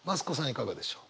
いかがでしょう。